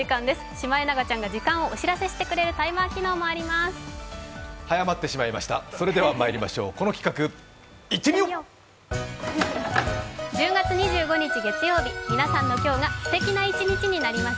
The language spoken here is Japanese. シマエナガちゃんが時間をお知らせしてくれるタイマー機能もあります。